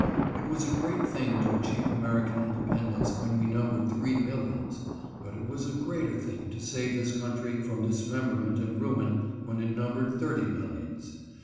It was a great thing to achieve Ameri can independence when we numbered three millions, but it was a greater thing to save this country from dismem berment and ruin when it numbered thirty millions.